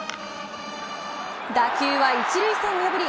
打球は一塁線を破り